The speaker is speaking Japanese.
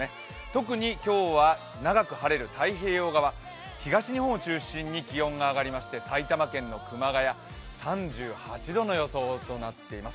特に今日は長く晴れる太平洋側、東日本を中心に気温が上がりまして埼玉県の熊谷、３８度の予想となっています。